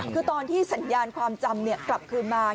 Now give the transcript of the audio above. คือตอนที่สัญญาณความจำกลับคืนมา